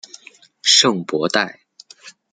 圣博代。